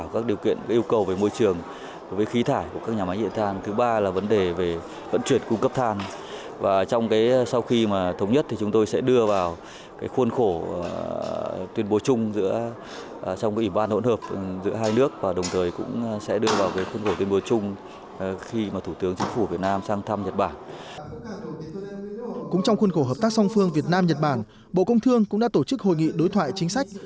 cũng trong khuôn khổ hợp tác song phương việt nam nhật bản bộ công thương cũng đã tổ chức hội nghị đối thoại chính sách